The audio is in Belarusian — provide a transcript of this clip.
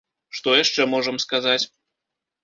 Што яшчэ можам сказаць?